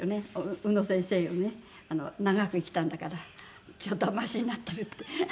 「宇野先生より長く生きたんだからちょっとはマシになってる」って。